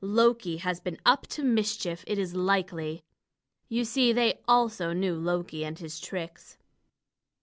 Loki has been up to mischief, it is likely." You see, they also knew Loki and his tricks.